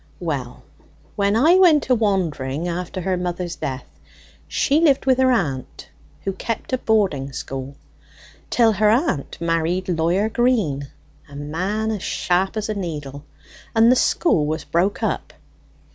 "Well, when I went a wandering after her mother's death, she lived with her aunt, who kept a boarding school, till her aunt married Lawyer Green a man as sharp as a needle and the school was broke up.